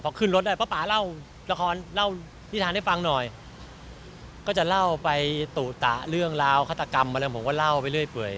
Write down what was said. พอขึ้นรถได้ป๊าเล่าละครเล่านิทานให้ฟังหน่อยก็จะเล่าไปตุตะเรื่องราวฆาตกรรมอะไรผมก็เล่าไปเรื่อยเปื่อย